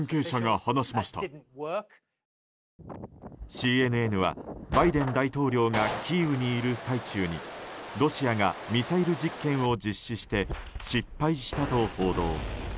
ＣＮＮはバイデン大統領がキーウにいる最中にロシアがミサイル実験を実施して失敗したと報道。